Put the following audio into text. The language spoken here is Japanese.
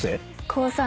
高３。